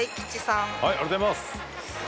ありがとうございます。